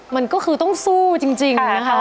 มันก็คือต้องสู้จริงนะคะ